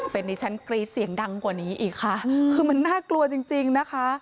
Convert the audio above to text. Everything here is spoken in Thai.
เป็นดิฉันกรี๊ดเสียงดังกว่านี้อีกค่ะคือมันน่ากลัวจริงจริงนะคะ